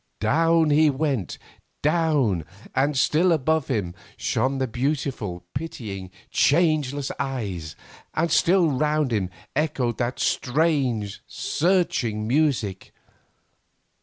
Down he went, down, and still above him shone the beautiful, pitying, changeless eyes; and still round him echoed that strange, searching music.